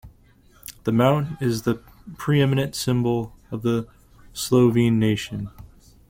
The mountain is the pre-eminent symbol of the Slovene Nation.